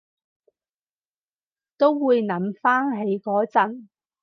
都會諗返起嗰陣